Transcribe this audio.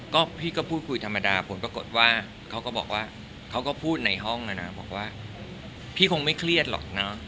ก็พี่ก็พูดคุยธรรมดาผลปรากฏว่าเขาก็บอกว่าเขาก็พูดในห้องนะนะบอกว่าพี่คงไม่เครียดหรอกเนอะ